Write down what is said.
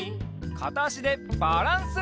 かたあしでバランス！